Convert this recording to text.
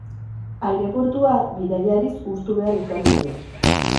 Aireportua bidaiariz hustu behar izan dute.